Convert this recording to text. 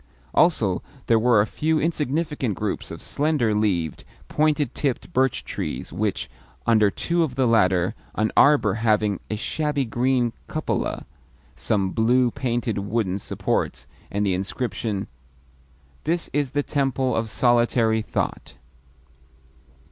Also, there were a few insignificant groups of slender leaved, pointed tipped birch trees, with, under two of the latter, an arbour having a shabby green cupola, some blue painted wooden supports, and the inscription "This is the Temple of Solitary Thought."